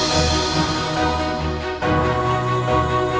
dari sang dewan